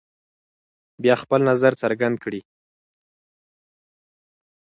بیا خپل نظر څرګند کړئ.